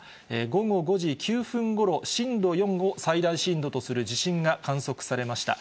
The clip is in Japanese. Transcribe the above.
午後５時９分ごろ、震度４を最大震度とする地震が観測されました。